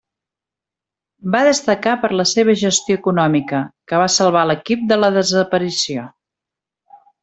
Va destacar per la seva gestió econòmica, que va salvar l'equip de la desaparició.